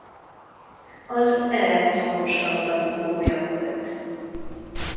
Az Elektromos labdarúgója volt.